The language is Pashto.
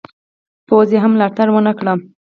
پوځ یې هم ملاتړ ونه کړ.